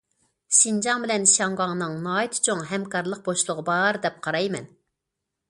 شىنجاڭ بىلەن شياڭگاڭنىڭ ناھايىتى چوڭ ھەمكارلىق بوشلۇقى بار، دەپ قارايمەن.